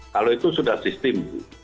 kalau itu sudah sistem